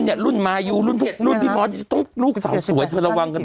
เนี้ยรุ่นมายูรุ่นเผ็ดรุ่นพี่มอสต้องลูกสาวสวยเธอระวังกัน